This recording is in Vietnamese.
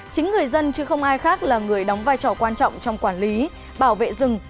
chính người dân chứ không ai khác là người đóng vai trò quan trọng trong quản lý bảo vệ rừng